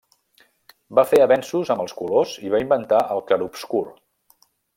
Va fer avenços amb els colors i va inventar el clar-obscur.